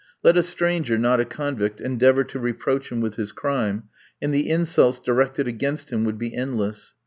Let a stranger not a convict endeavour to reproach him with his crime, and the insults directed against him would be endless.